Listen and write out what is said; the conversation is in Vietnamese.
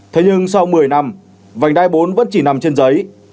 thế nhưng sau một mươi năm vành đai bốn vẫn chỉ nằm trên giấy